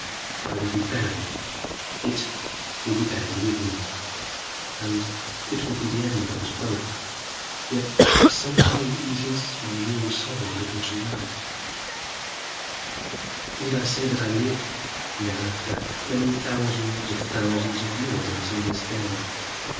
I will be buried, it will be buried with me; and it will be the end of us both. Yet, somehow, it eases my weary soul a little to write.... Need I say that I lived, thereafter, many thousands of thousands of years, until this day?